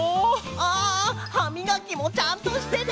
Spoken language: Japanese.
あはみがきもちゃんとしてね。